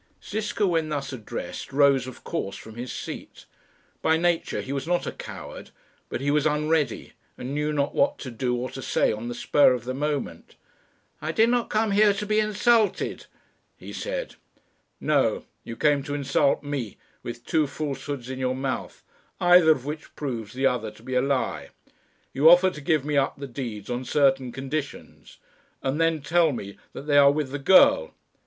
Ziska, when thus addressed, rose of course from his seat. By nature he was not a coward, but he was unready, and knew not what to do or to say on the spur of the moment. "I did not come here to be insulted," he said. "No; you came to insult me, with two falsehoods in your mouth, either of which proves the other to be a lie. You offer to give me up the deeds on certain conditions, and then tell me that they are with the girl!